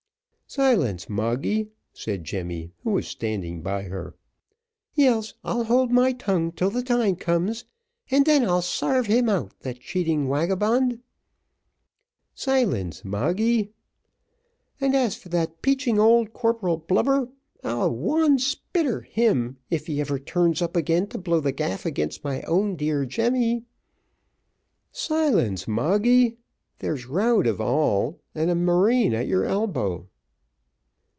"Silence, Moggy," said Jemmy, who was standing by her. "Yes, I'll hold my tongue till the time comes, and then I'll sarve him out, the cheating wagabond." "Silence, Moggy." "And as for that 'peaching old Corporal Blubber, I'll Wan Spitter him if ever he turns up again to blow the gaff against my own dear Jemmy." "Silence, Moggy there's rowed of all, and a marine at your elbow."